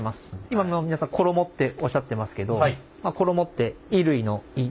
今もう皆さん衣っておっしゃってますけど衣って衣類の衣。